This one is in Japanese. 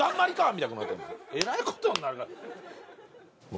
みたいなえらいことになるから。